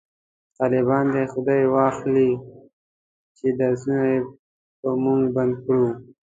طالبان دی خداي واخلﺉ چې درسونه یې په موژ بند کړو